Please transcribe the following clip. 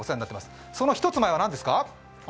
その１つ前は何ですか？